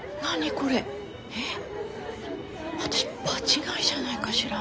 私場違いじゃないかしら。